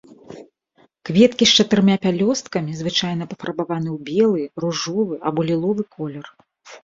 Кветкі з чатырма пялёсткамі, звычайна пафарбаваны ў белы, ружовы або ліловы колер.